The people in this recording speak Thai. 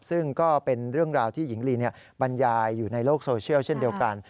ซึ่งก็เป็นเรื่องราวที่หญิงลีบรรยายอยู่ในโลกโซเชียลเช่นเดียวกัน